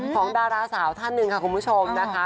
ดาราสาวท่านหนึ่งค่ะคุณผู้ชมนะคะ